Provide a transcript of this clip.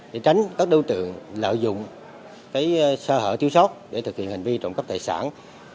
để tránh các đối tượng lợi dụng sơ hở thiếu sót để thực hiện hành vi trộm cắp tài sản